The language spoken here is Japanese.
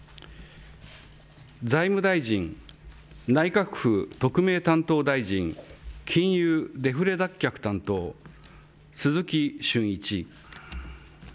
財務大臣、内閣府特命担当大臣、金融デフレ脱却担当、鈴木俊一。